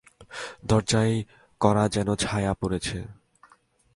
দরজায় করা যেন ছায়া পড়েছে।